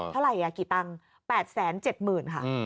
เท่าไหร่กี่ตังค์๘๗๐๐๐ค่ะ